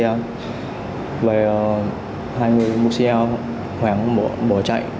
hai người mua xe hoảng bỏ chạy